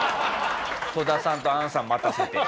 戸田さんと杏さん待たせて。